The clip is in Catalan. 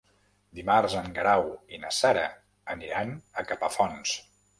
Dimarts en Guerau i na Sara aniran a Capafonts.